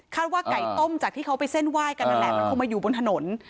คาดว่าไก่ต้มจากที่เขาไปเส้นไหว้กันแหละเพราะเขามาอยู่บนถนน